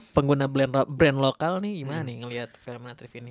pengguna brand lokal nih gimana nih ngeliat film atrift ini